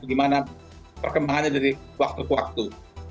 gimana perkembangannya dari waktu ke waktu